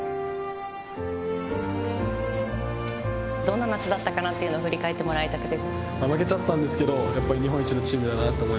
どんな夏だったかなというのを振り返ってもらいたくて。